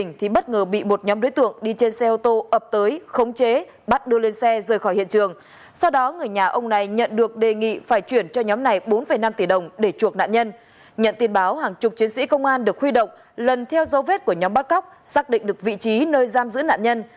nhận tin báo hàng chục chiến sĩ công an được huy động lần theo dấu vết của nhóm bắt cóc xác định được vị trí nơi giam giữ nạn nhân